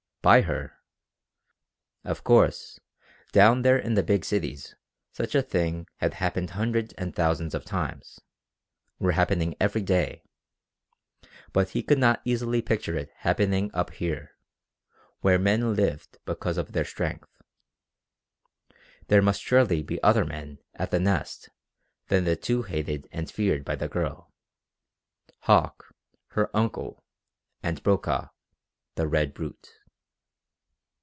Buy her? Of course down there in the big cities such a thing had happened hundreds and thousands of times were happening every day but he could not easily picture it happening up here, where men lived because of their strength. There must surely be other men at the Nest than the two hated and feared by the girl Hauck, her uncle, and Brokaw, the "red brute."